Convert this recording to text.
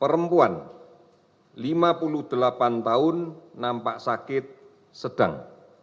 perempuan dua puluh tujuh tahun nampak sakit ringan sedang